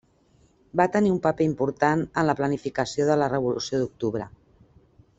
Va tenir un paper important en la planificació de la Revolució d'Octubre.